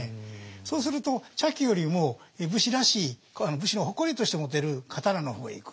そうすると茶器よりも武士らしい武士の誇りとして持てる刀の方へいく。